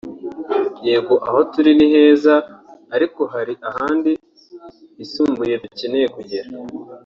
yego aho turi ni heza ariko hari ahandi hisumbuye dukeneye kugera